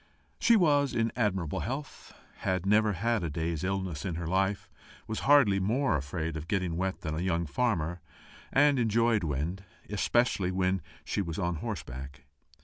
She was in admirable health, had never had a day's illness in her life, was hardly more afraid of getting wet than a young farmer, and enjoyed wind, especially when she was on horseback.